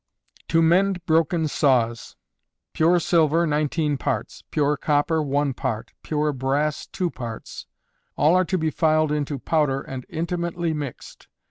To Mend Broken Saws. Pure silver, 19 parts: pure copper, 1 part: pure brass, 2 parts; all are to be filed into powder and intimately mixed.